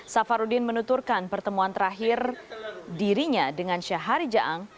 safarudin menuturkan pertemuan terakhir dirinya dengan syahari jaang